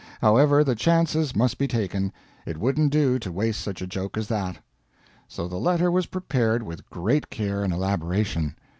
However, the chances must be taken it wouldn't do to waste such a joke as that. So the letter was prepared with great care and elaboration.